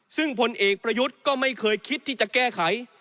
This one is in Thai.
ซึ่งผลเอกประยุทธ์ก็ไม่เคยคิดที่จะแก้ไข